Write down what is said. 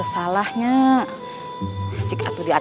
aku akan menangkan gusti ratu